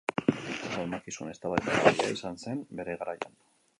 Oso asmakizun eztabaidagarria izan zen bere garaian.